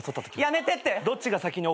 やめてって。